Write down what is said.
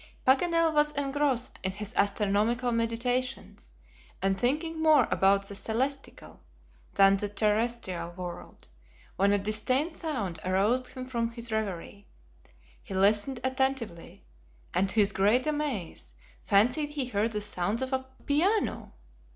Paganel was engrossed in his astronomical meditations, and thinking more about the celestial than the terrestrial world, when a distant sound aroused him from his reverie. He listened attentively, and to his great amaze, fancied he heard the sounds of a piano.